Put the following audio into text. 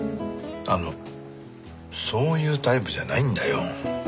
あのそういうタイプじゃないんだよ。